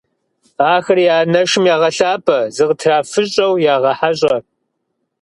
Ахэр я анэшым ягъэлъапӀэ, зыкытрафыщӀэу ягъэхьэщӀэ.